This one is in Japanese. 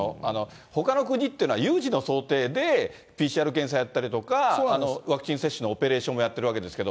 ほかの国っていうのは有事の想定で、ＰＣＲ検査やったりとか、ワクチン接種のオペレーションをやってるわけですけど。